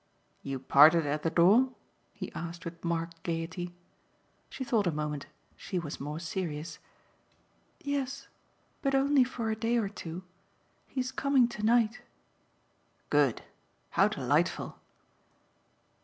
"You parted at the door?" he asked with marked gaiety. She thought a moment she was more serious. "Yes but only for a day or two. He's coming tonight." "Good. How delightful!"